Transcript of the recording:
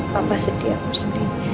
papa sedih aku sedih